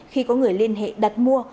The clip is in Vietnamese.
khi có người liên hệ đặt mua